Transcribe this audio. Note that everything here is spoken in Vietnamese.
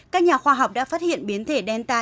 các nhà khoa học đã phát hiện biến thể delta